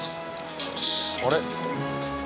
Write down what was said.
あれ？